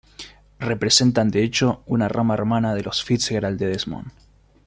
Representan de hecho una "rama" hermana de los Fitzgerald de Desmond.